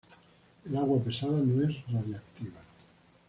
El agua pesada no es radiactiva.